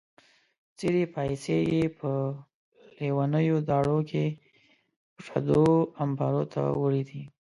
څېرې پایڅې یې په لیونیو داړو کې پردو امبارو ته وړې دي.